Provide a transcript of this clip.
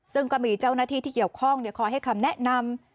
ซึ่งก็มีเจ้าหน้าที่ที่เกี่ยวข้องคอยให้คำแนะนำ